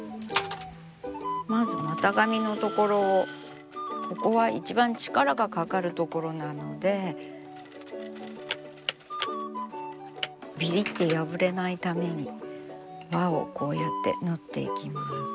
まず股上の所をここは一番力がかかる所なのでビリッて破れないために輪をこうやって縫っていきます。